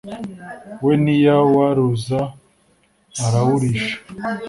we ntiyawaruza arawurisha